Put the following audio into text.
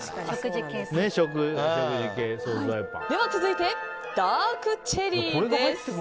続いて、ダークチェリーです。